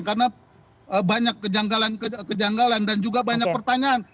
karena banyak kejanggalan dan juga banyak pertanyaan